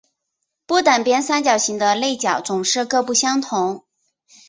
不等边三角形的内角总是各不相同。